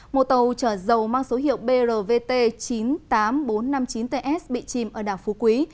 một tàu chở dầu mang số hiệu brvt chín mươi tám nghìn bốn trăm năm mươi chín ts bị chìm ở đảo phú quý